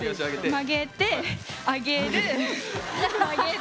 曲げて上げる。